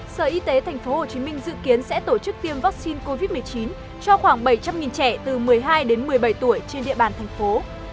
sở y tế thành phố hồ chí minh dự kiến sẽ tổ chức tiêm vaccine covid một mươi chín cho khoảng bảy trăm linh trẻ từ một mươi hai đến một mươi bảy tuổi trên địa bàn thành phố